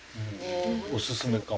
おすすめかも。